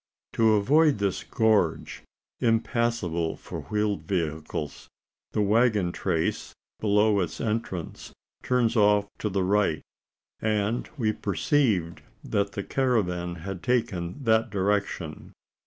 To avoid this gorge impassable for wheeled vehicles the waggon trace, below its entrance, turns off to the right; and we perceived that the caravan had taken that direction.